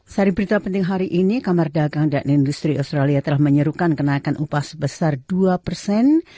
sari berita penting hari ini kamar dagang dan industri australia telah menyerukan kenaikan upah sebesar dua persen